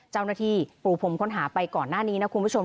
เจ้าหน้าที่ปรูพรมค้นหาไปก่อนหน้านี้นะคุณผู้ชม